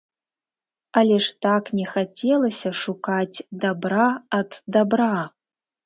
Але ж так не хацелася шукаць дабра ад дабра.